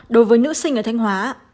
đối với nữ sinh ở thanh hóa